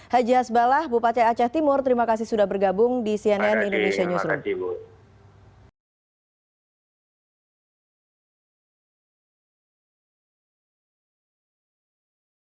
haji hasbalah bupati aceh timur terima kasih sudah bergabung di cnn indonesia newsroom